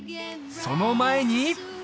その前に！